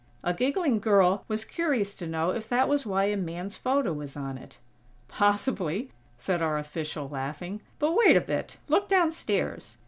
A giggling girl was curious to know if that was why a man's photo is on it. "Possibly," said our official, laughing. "But wait a bit. Look downstairs.